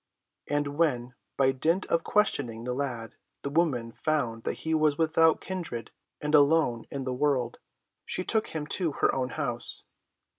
And when, by dint of questioning the lad, the woman found that he was without kindred and alone in the world, she took him to her own house.